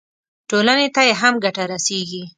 ټولنې ته یې هم ګټه رسېږي.